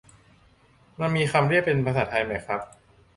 มันมีคำเรียกเป็นภาษาไทยไหมครับ